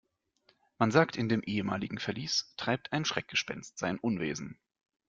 Man sagt, in dem ehemaligen Verlies treibt ein Schreckgespenst sein Unwesen.